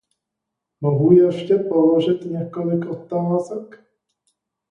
Mohu ještě položit několik otázek?